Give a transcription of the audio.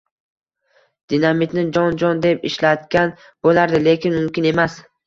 Dinamitni jon-jon deb ishlatgan bo`lardik, lekin mumkin emas